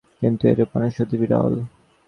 কিন্তু এরূপ মানুষ অতি বিরল।